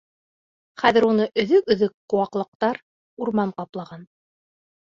Хәҙер уны өҙөк-өҙөк ҡыуаҡлыҡтар, урман ҡаплаған.